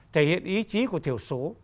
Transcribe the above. thể hiện ý chí của thiểu số